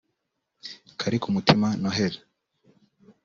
Karikumutima Nohel